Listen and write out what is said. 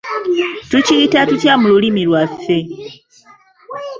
Tukiyite tutya mu lulimi lwaffe?